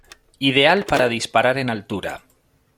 Ideal para disparar en altura.